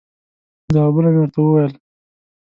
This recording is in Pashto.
ځوابونه مې ورته وویل.